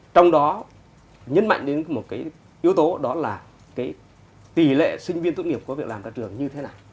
trong đó nhấn mạnh đến một cái yếu tố đó là tỷ lệ sinh viên tốt nghiệp có việc làm ra trường như thế nào